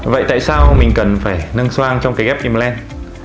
vậy tại sao mình cần phải nâng xoang trong cái ghép implant